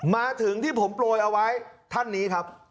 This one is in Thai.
มาถึงที่ผมโปรยเอาไว้ท่านนี้ครับ